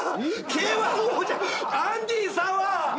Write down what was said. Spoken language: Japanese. Ｋ−１王者アンディ・サワー。